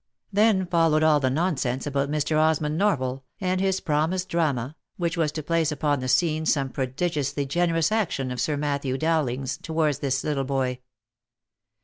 Then followed all the nonsense about Mr. Osmond Norval, and his promised drama, which was to place upon the scene some prodi giously generous action of Sir Matthew Dowling's, towards this little boy.